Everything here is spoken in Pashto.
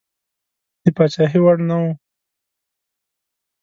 د پاچهي وړ نه وو.